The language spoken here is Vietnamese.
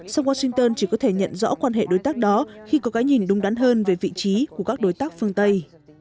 sau washington chỉ có thể nhận rõ quan hệ đối tác đó khi có cái nhìn đúng đắn hơn về vị trí của các đối tác phương tây